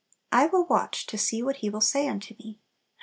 "I will watch to see what He will say unto me."